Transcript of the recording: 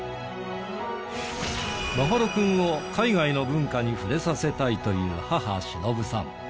眞秀君を海外の文化に触れさせたいという母しのぶさん。